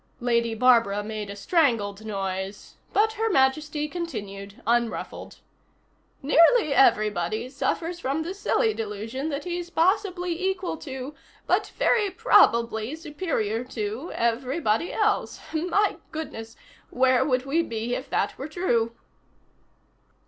Lady Barbara made a strangled noise but Her Majesty continued, unruffled. "Nearly everybody suffers from the silly delusion that he's possibly equal to, but very probably superior to, everybody else my goodness, where would we be if that were true?"